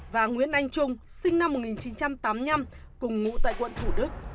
và nguyễn anh trung cùng ngủ tại quận tàu